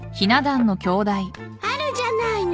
あるじゃないの。